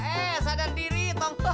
eh sadar diri tongkos